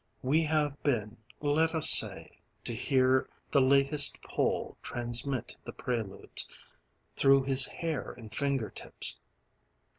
We have been, let us say, to hear the latest Pole Transmit the Preludes, through his hair and finger tips.